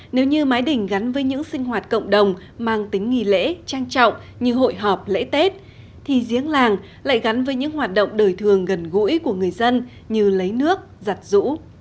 nếu như mái đình gắn với những sinh hoạt cộng đồng mang tính nghi lễ trang trọng như hội họp lễ tết thì giếng làng lại gắn với những hoạt động đời thường gần gũi của người dân như lấy nước giặt rũ